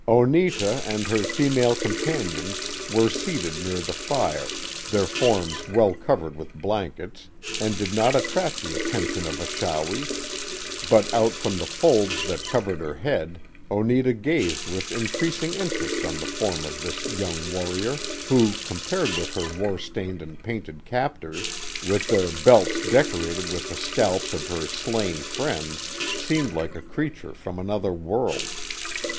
Oneta and her female companions were seated near the fire, their forms well covered with blankets, and did not at tract the attention of Achawi, but out from the folds that covered her head, Oneta gazed with increasing interest on the form of this young warrior, who, compared with her war stained and painted captors, with their belts decorated with the scalps of her slain friends, seemed like a creature from another world.